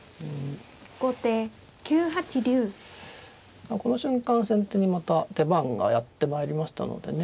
まあこの瞬間先手にまた手番がやってまいりましたのでね。